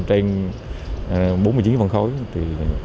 bốn mươi chín phần khối